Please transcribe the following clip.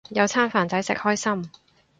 有餐飯仔食，開心